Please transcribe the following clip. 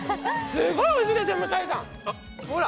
すっごいおいしいですよ、向井さん、ほら。